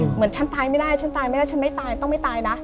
เหมือนฉันตายไม่ได้ฉันตายไม่ได้ฉันไม่ตายต้องไม่ตายนะ